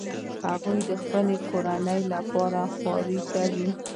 هغوی د خپلې کورنۍ لپاره خواري کوي